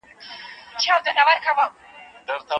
ماشومان به خوندي پاتې شي.